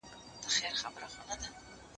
نه مو سر نه مو مالونه په امان وي